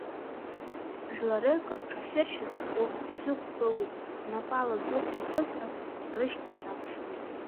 Жәларык рҽахьыршьыз ахәы сықәгылоуп, знапала зыхәда ԥызҟаз рышьҭа саԥшуеит.